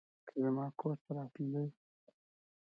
که زما کور ته راتلې